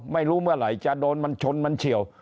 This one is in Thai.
ไม่รู้เมื่อไหร่จะโดนมันชนมันเฉียว